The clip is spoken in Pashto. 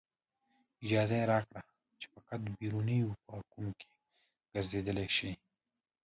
اجازه یې راکړه چې فقط بیرونیو پارکونو کې ګرځېدلی شئ.